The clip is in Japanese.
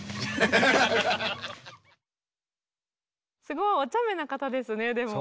すごいおちゃめな方ですねでも。